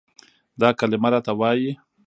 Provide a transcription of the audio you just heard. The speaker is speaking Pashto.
دا کلمه راته وايي،